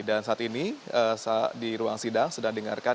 dan saat ini di ruang sidang sedang dengarkan